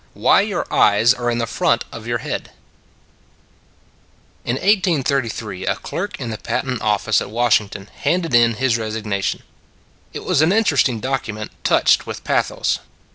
WHY YOUR EYES ARE IN THE FRONT OF YOUR HEAD IN 1833 a clerk in the patent office at Washington handed in his resignation. It was an interesting document, touched with pathos.